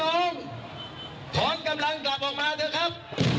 ถอนกำลังกลับออกมาเถอะครับ